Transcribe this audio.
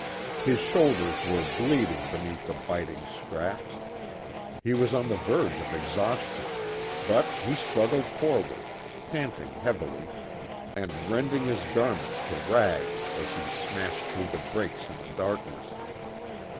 His shoulders were bleeding beneath the biting straps; he was on the verge of exhaustion; but he struggled forward, panting heavily, and rending his garments to rags as he smashed through the brakes in the darkness.